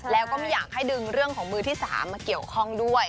แล้วก็ไม่อยากให้ดึงเรื่องของมือที่๓มาเกี่ยวข้องด้วย